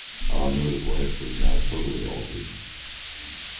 Our mode of life was now totally altered.